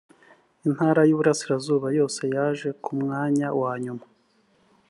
intara y’ uburasirazuba yose yaje ku mwanya wa nyuma